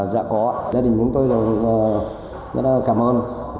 dạ có gia đình chúng tôi rất là cảm ơn